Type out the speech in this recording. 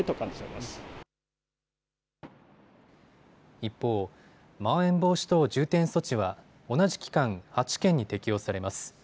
一方、まん延防止等重点措置は同じ期間、８県に適用されます。